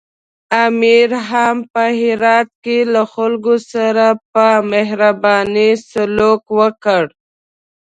امیر هم په هرات کې له خلکو سره په مهربانۍ سلوک وکړ.